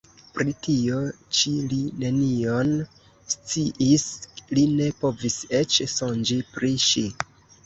Pri tio ĉi li nenion sciis, li ne povis eĉ sonĝi pri ŝi.